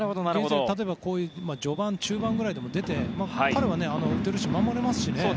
例えば序盤、中盤ぐらいでも出て彼は打てるし守れますからね。